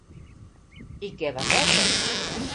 I què va rebre?